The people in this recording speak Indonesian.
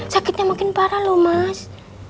sakitnya makin parah loh mas